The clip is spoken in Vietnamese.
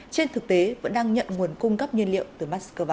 trên thực tế vẫn đang nhận nguồn cung cấp nhiên liệu từ moscow